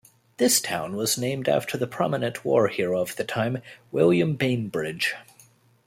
This town was named after the prominent war hero of the time, William Bainbridge.